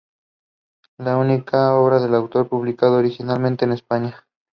Es la única obra del autor publicada originalmente en España.